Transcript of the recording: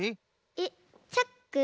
えっチャック？